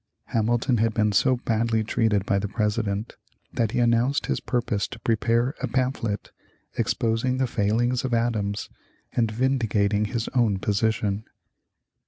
Hamilton had been so badly treated by the President that he announced his purpose to prepare a pamphlet, exposing the failings of Adams and vindicating his own position.